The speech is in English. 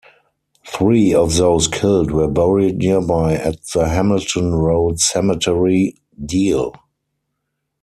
Three of those killed were buried nearby at the Hamilton Road Cemetery, Deal.